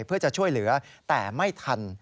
เพื่อจะช่วยเหลือแต่ไม่ทัน